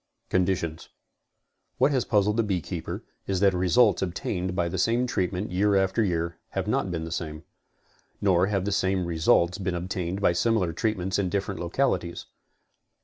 CONDITIONS. What has puzzled the beekeeper is that results obtained by the same treatment year after year have not been the same. Nor have the same results been obtained by similar treatments in dif ferent localities.